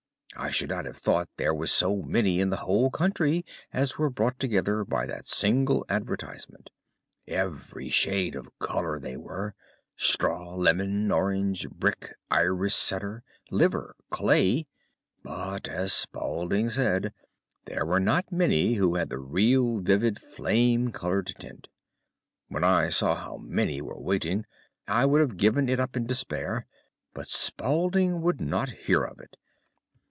I should not have thought there were so many in the whole country as were brought together by that single advertisement. Every shade of colour they were—straw, lemon, orange, brick, Irish setter, liver, clay; but, as Spaulding said, there were not many who had the real vivid flame coloured tint. When I saw how many were waiting, I would have given it up in despair; but Spaulding would not hear of it.